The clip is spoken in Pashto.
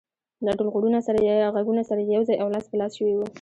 دا ټول غږونه سره يو ځای او لاس په لاس شوي وو.